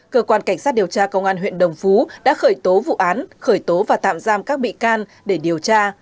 cơ quan cảnh sát điều tra công an huyện đồng phú đã khởi tố vụ án khởi tố và tạm giam các bị can để điều tra